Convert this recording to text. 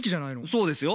そうですよ。